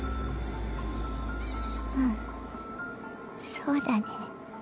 うんそうだね。